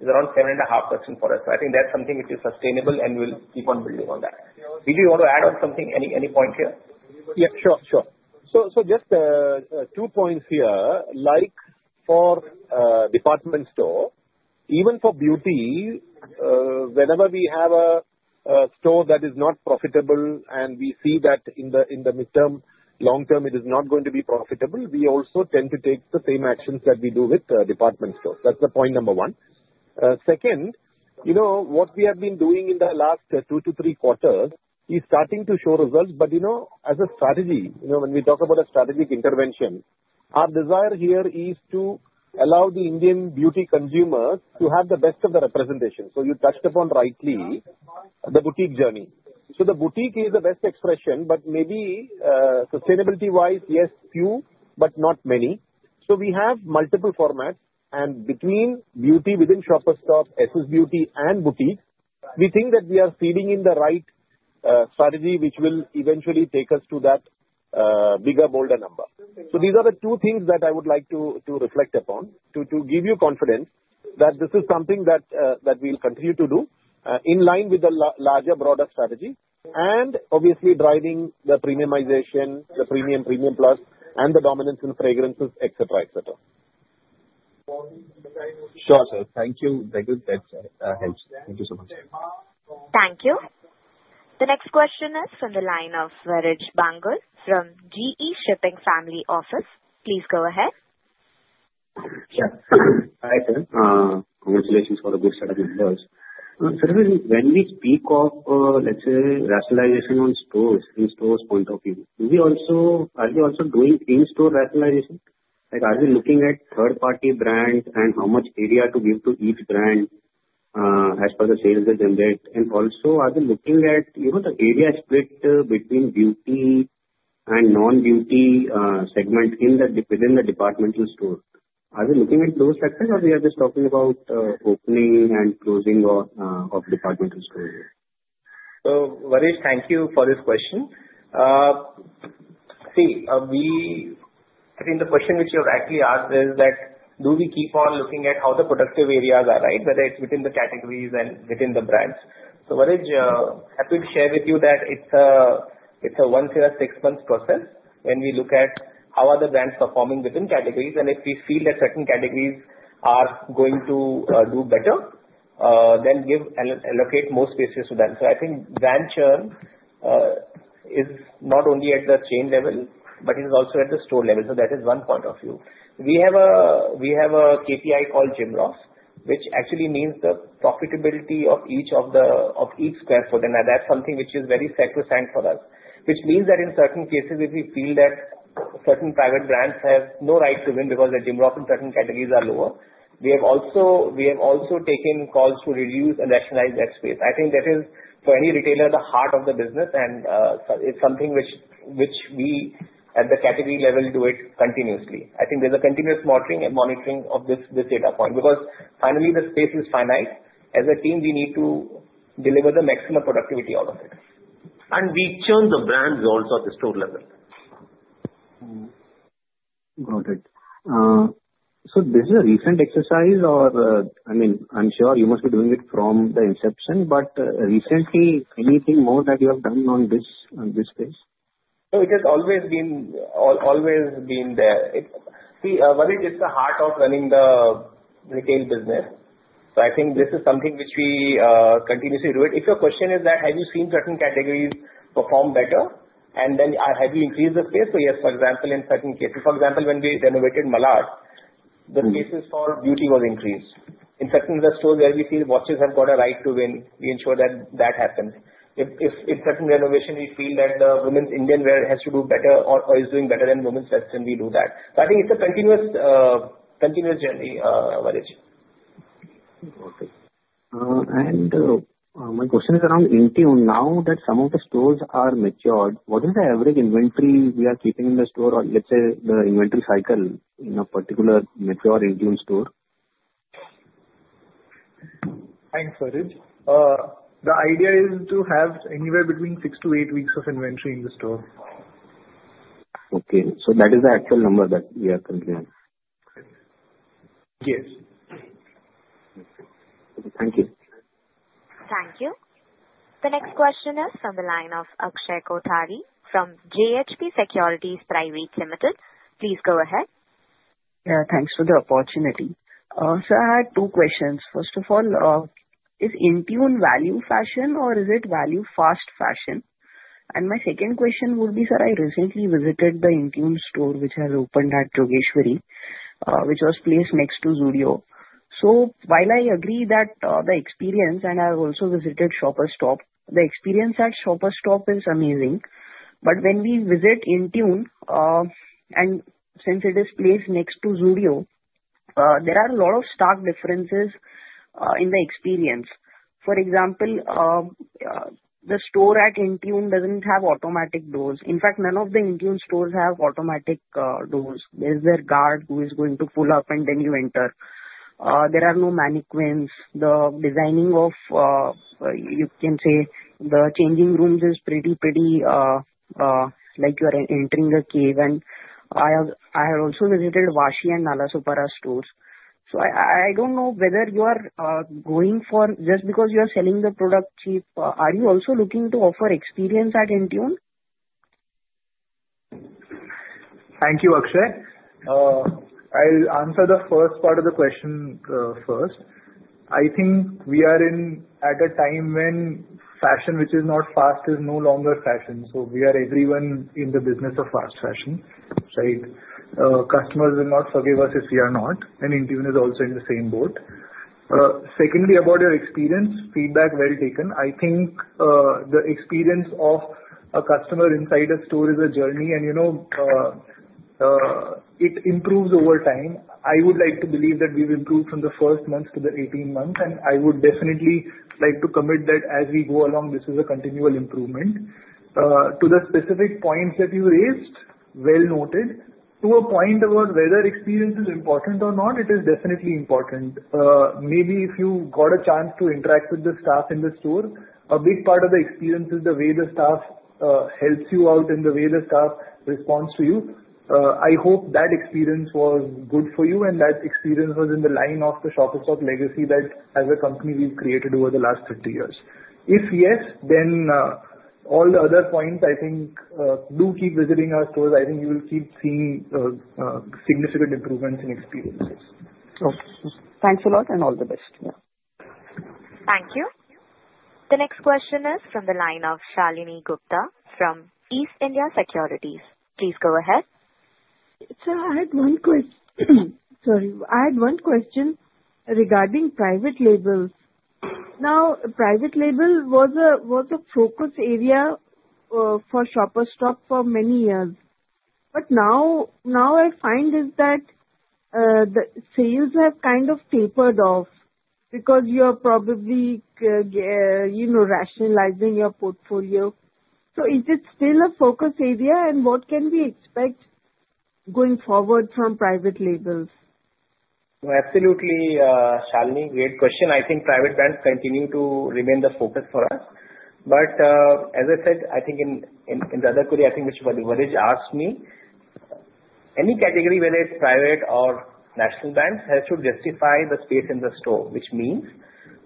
is around 7.5% for us. So I think that's something which is sustainable, and we'll keep on building on that. Biju, you want to add on something, any point here? Yeah, sure, sure. So just two points here. Like for department store, even for beauty, whenever we have a store that is not profitable and we see that in the mid-term, long-term, it is not going to be profitable, we also tend to take the same actions that we do with department stores. That's the point number one. Second, what we have been doing in the last two to three quarters is starting to show results. But as a strategy, when we talk about a strategic intervention, our desire here is to allow the Indian beauty consumers to have the best of the representation. So you touched upon rightly the boutique journey. So the boutique is the best expression, but maybe sustainability-wise, yes, few, but not many. So we have multiple formats. And between beauty within Shoppers Stop, SS Beauty, and boutique, we think that we are feeding in the right strategy which will eventually take us to that bigger, bolder number. So these are the two things that I would like to reflect upon to give you confidence that this is something that we'll continue to do in line with the larger, broader strategy and obviously driving the premiumization, the premium, premium plus, and the dominance in fragrances, etc., etc. Sure, sir. Thank you. That helps. Thank you so much. Thank you. The next question is from the line of Varish Bansal from GE Shipping Family Office. Please go ahead. Sure. Hi, sir. Congratulations for the strong topline numbers. When we speak of, let's say, rationalization on stores from the stores' point of view, are we also doing in-store rationalization? Are we looking at third-party brands and how much area to give to each brand as per the sales they generate? And also, are we looking at the area split between beauty and non-beauty segment within the departmental stores? Are we looking at those factors, or we are just talking about opening and closing of departmental stores? So Varish, thank you for this question. See, I think the question which you have actually asked is that do we keep on looking at how the productive areas are, right, whether it's within the categories and within the brands? So, Varish, happy to share with you that it's a once-in-a-six-month process when we look at how are the brands performing within categories. And if we feel that certain categories are going to do better, then allocate more spaces to them. So I think brand churn is not only at the chain level, but it is also at the store level. So that is one point of view. We have a KPI called GMROS, which actually means the profitability of each of the square feet. And that's something which is very sacrosanct for us, which means that in certain cases, if we feel that certain private brands have no right to win because the GMROS in certain categories are lower, we have also taken calls to reduce and rationalize that space. I think that is, for any retailer, the heart of the business. It's something which we, at the category level, do continuously. I think there's a continuous monitoring of this data point because finally, the space is finite. As a team, we need to deliver the maximum productivity out of it. And we churn the brands also at the store level. Got it. So this is a recent exercise or, I mean, I'm sure you must be doing it from the inception. But recently, anything more that you have done on this space? So it has always been there. See, Varish, it's the heart of running the retail business. So I think this is something which we continuously do. If your question is that, have you seen certain categories perform better? And then have you increased the space? So yes, for example, in certain cases, for example, when we renovated Malad, the spaces for beauty were increased. In certain stores where we see watches have got a right to win, we ensure that that happens. In certain renovations, we feel that the women's Indian wear has to do better or is doing better than women's fashion. We do that. So I think it's a continuous journey, Varish. Got it. And my question is around Intune. Now that some of the stores are matured, what is the average inventory we are keeping in the store or, let's say, the inventory cycle in a particular mature Intune store? Thanks, Varish. The idea is to have anywhere between six to eight weeks of inventory in the store. Okay. So that is the actual number that we are currently at? Yes. Thank you. Thank you. The next question is from the line of Akshay Kothari from JHP Securities Private Limited. Please go ahead. Yeah, thanks for the opportunity. I had two questions. First of all, is Intune value fashion or is it value fast fashion? And my second question would be, sir, I recently visited the Intune store which has opened at Jogeshwari, which was placed next to Zudio. While I agree that the experience, and I have also visited Shoppers Stop, the experience at Shoppers Stop is amazing. When we visit Intune, and since it is placed next to Zudio, there are a lot of stark differences in the experience. For example, the store at Intune doesn't have automatic doors. In fact, none of the Intune stores have automatic doors. There's their guard who is going to pull up, and then you enter. There are no mannequins. The designing of, you can say, the changing rooms is pretty, pretty like you are entering a cave. I have also visited Vashi and Nalasopara stores. So I don't know whether you are going for just because you are selling the product cheap; are you also looking to offer experience at Intune? Thank you, Akshay. I'll answer the first part of the question first. I think we are at a time when fashion, which is not fast, is no longer fashion. So we are everyone in the business of fast fashion, right? Customers will not forgive us if we are not. And Intune is also in the same boat. Secondly, about your experience, feedback well taken. I think the experience of a customer inside a store is a journey, and it improves over time. I would like to believe that we've improved from the first month to the 18th month. And I would definitely like to commit that as we go along, this is a continual improvement. To the specific points that you raised, well noted. To a point about whether experience is important or not, it is definitely important. Maybe if you got a chance to interact with the staff in the store, a big part of the experience is the way the staff helps you out and the way the staff responds to you. I hope that experience was good for you and that experience was in the line of the Shoppers Stop legacy that, as a company, we've created over the last 30 years. If yes, then all the other points, I think, do keep visiting our stores. I think you will keep seeing significant improvements in experiences. Thanks a lot and all the best. Yeah. Thank you. The next question is from the line of Shalini Gupta from East India Securities. Please go ahead. Sir, I had one question. Sorry. I had one question regarding private labels. Now, private label was a focus area for Shoppers Stop for many years, but now I find is that the sales have kind of tapered off because you are probably rationalizing your portfolio, so is it still a focus area, and what can we expect going forward from private labels? Absolutely, Shalini, great question. I think private brands continue to remain the focus for us, but as I said, I think in the other query, I think which Varish asked me, any category, whether it's private or national brands, has to justify the space in the store, which means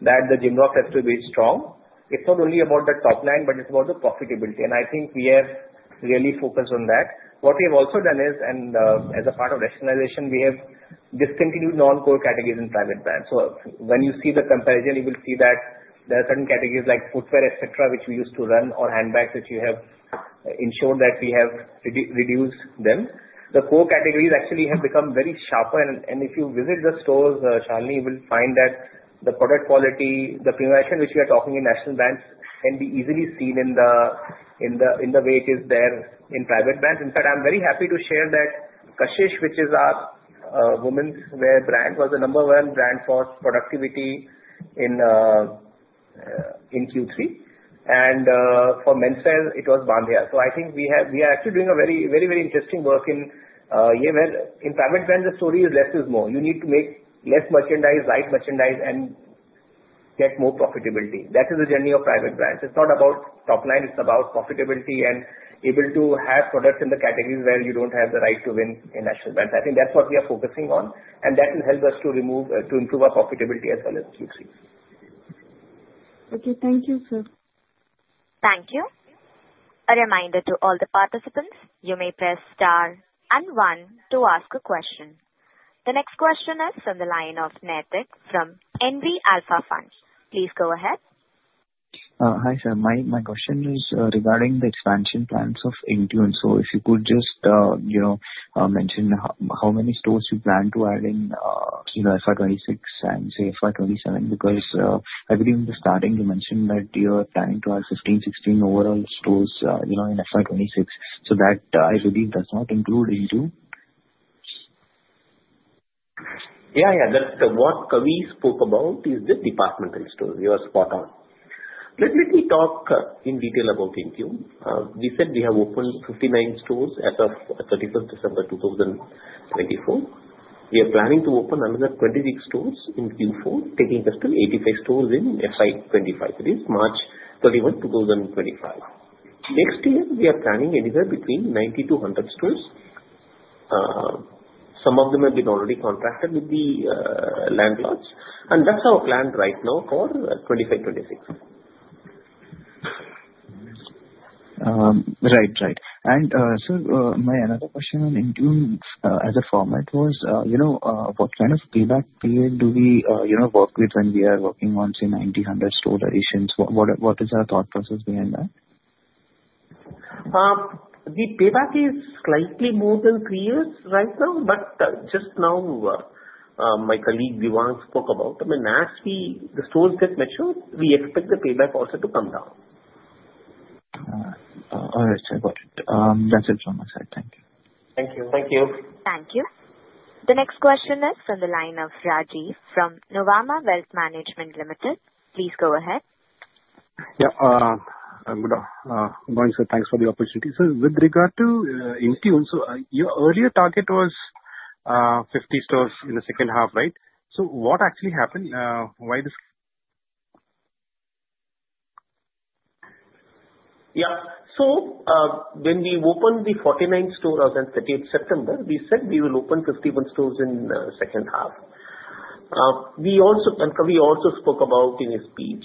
that the GMROS has to be strong. It's not only about the top line, but it's about the profitability, and I think we have really focused on that. What we have also done is, and as a part of rationalization, we have discontinued non-core categories in private brands. So when you see the comparison, you will see that there are certain categories like footwear, etc., which we used to run, or handbags, which we have ensured that we have reduced them. The core categories actually have become very sharper. And if you visit the stores, Shalini, you will find that the product quality, the premiumization which we are talking in national brands can be easily seen in the way it is there in private brands. In fact, I'm very happy to share that Kashish, which is our women's wear brand, was the number one brand for productivity in Q3. And for men's wear, it was Bandeya. So I think we are actually doing a very, very interesting work in a year where in private brands, the story is less is more. You need to make less merchandise, light merchandise, and get more profitability. That is the journey of private brands. It's not about top line. It's about profitability and able to have products in the categories where you don't have the right to win in national brands. I think that's what we are focusing on. And that will help us to improve our profitability as well as Q3. Okay. Thank you, sir. Thank you. A reminder to all the participants, you may press star and one to ask a question. The next question is from the line of Naitik from NV Alpha Fund. Please go ahead. Hi, sir. My question is regarding the expansion plans of Intune. So if you could just mention how many stores you plan to add in FY26 and say FY27 because I believe in the starting, you mentioned that you are planning to add 15-16 overall stores in FY26. So that, I believe, does not include Intune. Yeah, yeah. What we spoke about is the department stores. You are spot on. Let me talk in detail about Intune. We said we have opened 59 stores as of 31st December 2024. We are planning to open another 26 stores in Q4, taking [us] to 85 stores in FY25. That is March 31st, 2025. Next year, we are planning anywhere between 90-100 stores. Some of them have been already contracted with the landlords. And that's our plan right now for 25, 26. Right, right. And sir, my another question on Intune as a format was what kind of payback period do we work with when we are working on, say, 90-100 store additions? What is our thought process behind that? The payback is slightly more than three years right now. But just now, my colleague Kavin spoke about. The stores get matured, we expect the payback also to come down. All right. I got it. That's it from my side. Thank you. Thank you. Thank you. The next question is from the line of Rajiv from Nuvama Wealth Management Limited. Please go ahead. Yeah. Good afternoon. Thanks for the opportunity. So with regard to Intune, so your earlier target was 50 stores in the second half, right? So what actually happened? Why this? Yeah. So when we opened the 49 stores on 30th September, we said we will open 51 stores in the second half. And we also spoke about in his speech,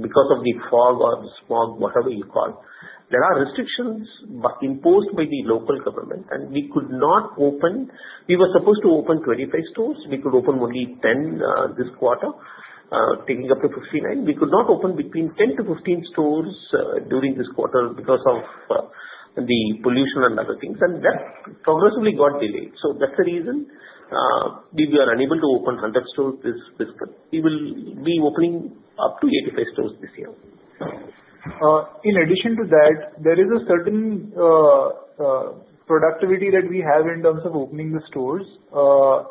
because of the fog or the smog, whatever you call, there are restrictions imposed by the local government. And we could not open; we were supposed to open 25 stores. We could open only 10 this quarter, taking up to 59. We could not open between 10-15 stores during this quarter because of the pollution and other things, and that progressively got delayed, so that's the reason we are unable to open 100 stores this quarter. We will be opening up to 85 stores this year. In addition to that, there is a certain productivity that we have in terms of opening the stores,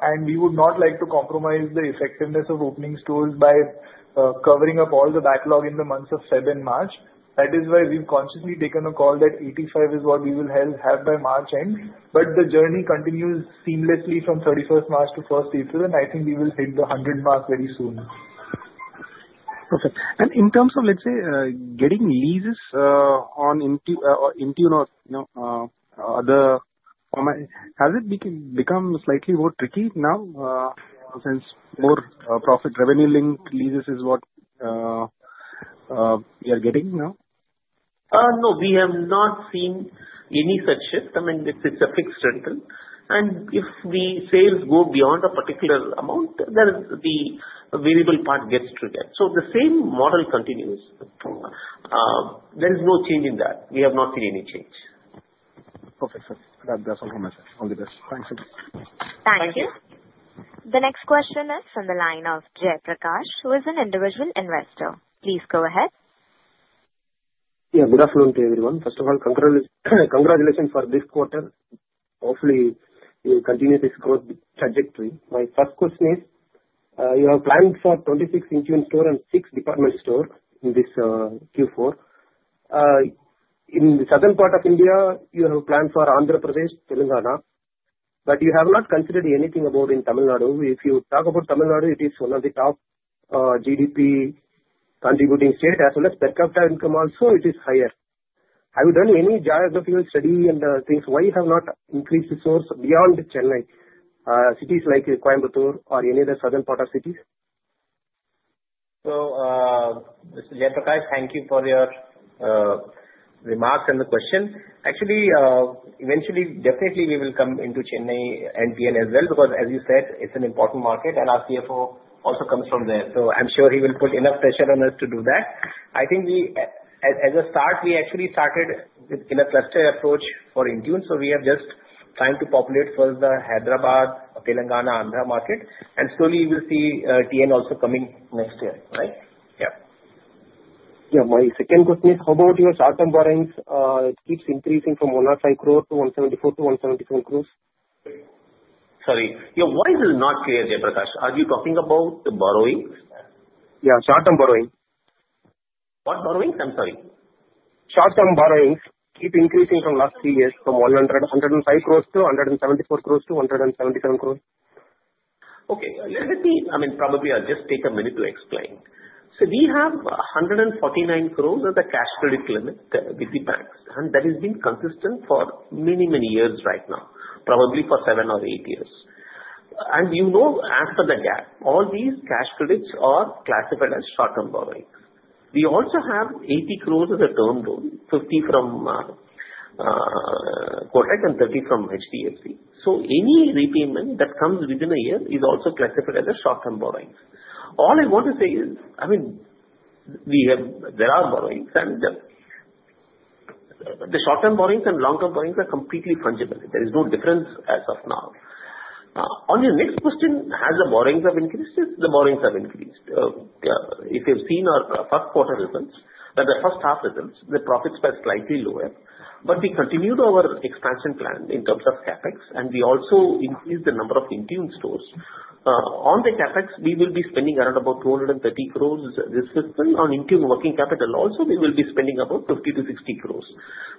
and we would not like to compromise the effectiveness of opening stores by covering up all the backlog in the months of February and March. That is why we've consciously taken a call that 85 is what we will have by March end, but the journey continues seamlessly from 31st March-1st April, and I think we will hit the 100 mark very soon. Perfect. And in terms of, let's say, getting leases on Intune or other format, has it become slightly more tricky now since more profit revenue linked leases is what we are getting now? No, we have not seen any such shift. I mean, it's a fixed rental. And if the sales go beyond a particular amount, then the variable part gets triggered. So the same model continues. There is no change in that. We have not seen any change. Perfect. That's all from my side. All the best. Thanks. Thank you. The next question is from the line of Jay Prakash, who is an individual investor. Please go ahead. Yeah. Good afternoon to everyone. First of all, congratulations for this quarter. Hopefully, you will continue this growth trajectory. My first question is, you have planned for 26 Intune stores and six department stores in this Q4. In the southern part of India, you have a plan for Andhra Pradesh, Telangana. But you have not considered anything about in Tamil Nadu. If you talk about Tamil Nadu, it is one of the top GDP contributing states as well as per capita income also. It is higher. Have you done any geographical study and things? Why have you not increased the stores beyond Chennai, cities like Coimbatore or any other southern part of cities? So, Mr. Jay Prakash, thank you for your remarks and the question. Actually, eventually, definitely, we will come into Chennai and TN as well because, as you said, it's an important market. And our CFO also comes from there. So I'm sure he will put enough pressure on us to do that. I think as a start, we actually started with a cluster approach for Intune. So we are just trying to populate for the Hyderabad, Telangana, Andhra market. And slowly, we will see TN also coming next year, right? Yeah. Yeah. My second question is, how about your short-term borrowings? It keeps increasing from 105 crores to 174-177 crores. Sorry. Your voice is not clear, Jay Prakash. Are you talking about the borrowings? Yeah, short-term borrowing. What borrowings? I'm sorry. Short-term borrowings keep increasing from last three years from 105 crores to 174 crores-177 crores. Okay. Let me probably just take a minute to explain. So we have 149 crores as a cash credit limit with the banks. And that has been consistent for many, many years right now, probably for seven or eight years. And you know, after the gap, all these cash credits are classified as short-term borrowings. We also have 80 crores as a term loan, 50 from Kotak and 30 from HDFC. So any repayment that comes within a year is also classified as a short-term borrowing. All I want to say is, I mean, there are borrowings. And the short-term borrowings and long-term borrowings are completely fungible. There is no difference as of now. On your next question, has the borrowings increased? Yes, the borrowings have increased. If you've seen our first quarter results, the first half results, the profits were slightly lower. But we continued our expansion plan in terms of Capex. And we also increased the number of Intune stores. On the Capex, we will be spending around about 230 crores this fiscal. On Intune working capital also, we will be spending about 50-60 crores.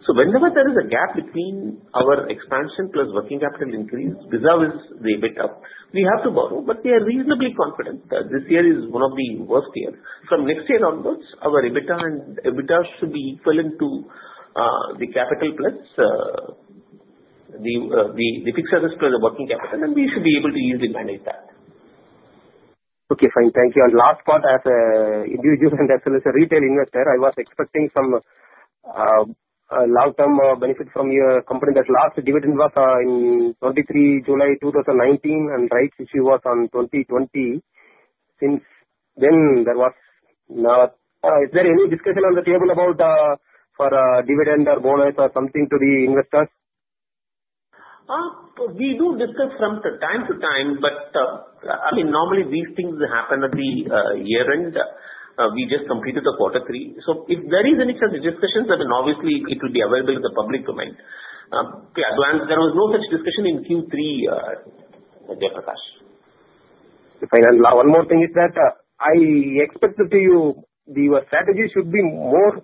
So whenever there is a gap between our expansion plus working capital increase, reserves is the EBITDA. We have to borrow. But we are reasonably confident that this year is one of the worst years. From next year onwards, our EBITDA should be equivalent to the capital plus the fixed service plus the working capital. And we should be able to easily manage that. Okay. Fine. Thank you. And last part, as an individual and as a retail investor, I was expecting some long-term benefit from your company. That last dividend was in 23rd July 2019. And rights issue was on 2020. Since then, there was not. Is there any discussion on the table about for dividend or bonus or something to the investors? We do discuss from time to time. But I mean, normally, these things happen at the year-end. We just completed the quarter three. So if there is any such discussion, then obviously it would be available to the public domain. There was no such discussion in Q3, Jay Prakash. Fine. And one more thing is that I expected you your strategy should be more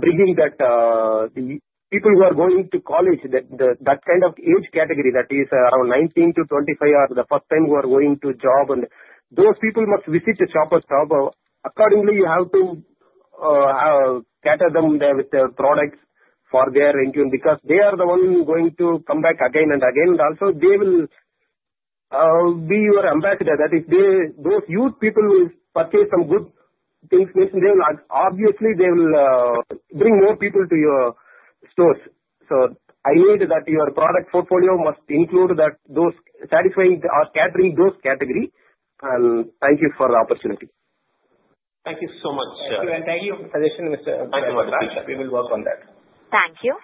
bringing that the people who are going to college, that kind of age category that is around 19-25 are the first time who are going to job. And those people must visit the Shoppers. Accordingly, you have to cater them with products for their Intune because they are the ones going to come back again and again. And also, they will be your ambassador. That is, those youth people will purchase some good things. Obviously, they will bring more people to your stores. So I need that your product portfolio must include those satisfying or catering those categories. And thank you for the opportunity. Thank you so much, sir. Thank you. And thank you for the suggestion, Mr. Jay Prakash. Thank you, Mr. Rajiv. We will work on that. Thank you.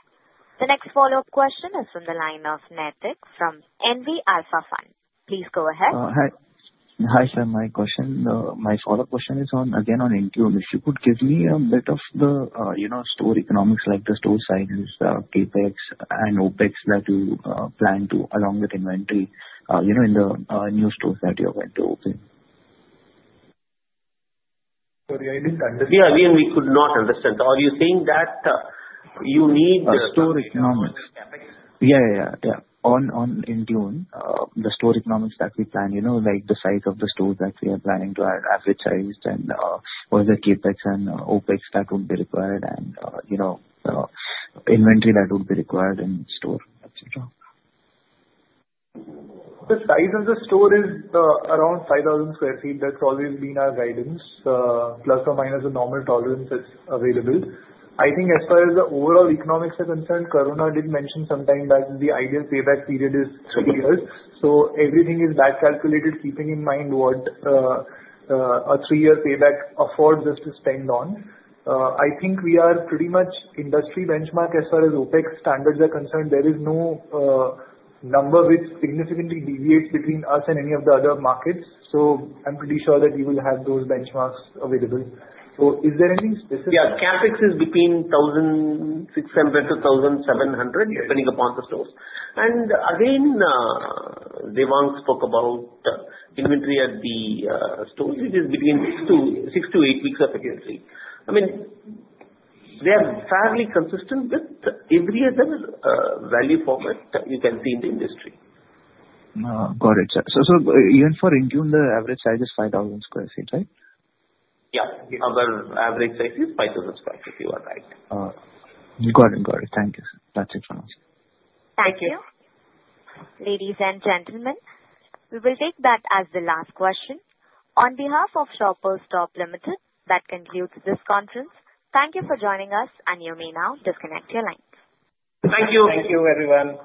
The next follow-up question is from the line of Naitik from NV Alpha Fund. Please go ahead. Hi. Hi, sir. My follow-up question is again on Intune. If you could give me a bit of the store economics, like the store sizes, CapEx, and OpEx that you plan to along with inventory in the new stores that you are going to open. Sorry, I didn't understand. Yeah, again, we could not understand. Are you saying that you need the store economics? Yeah, yeah, yeah. On Intune, the store economics that we plan, like the size of the stores that we are planning to add and what are the Capex and Opex that would be required and inventory that would be required in store, etc. The size of the store is around 5,000 sq ft. That's always been our guidance. ± a normal tolerance that's available. I think as far as the overall economics are concerned, Karuna did mention sometime that the ideal payback period is three years. So everything is back-calculated, keeping in mind what a three-year payback affords us to spend on. I think we are pretty much industry benchmark as far as Opex standards are concerned. There is no number which significantly deviates between us and any of the other markets. So I'm pretty sure that we will have those benchmarks available. So is there anything specific? Yeah. CapEx is between 1,600-1,700, depending upon the stores. Again, Kavin spoke about inventory at the stores, which is between six to eight weeks of inventory. I mean, they are fairly consistent with every other value format you can see in the industry. Got it, sir. So even for Intune, the average size is 5,000 sq ft, right? Yeah. Our average size is 5,000 sq ft. You are right. Got it. Got it. Thank you, sir. That's it from us. Thank you. Thank you. Ladies and gentlemen, we will take that as the last question. On behalf of Shoppers Stop Limited, that concludes this conference. Thank you for joining us, and you may now disconnect your lines. Thank you. Thank you, everyone.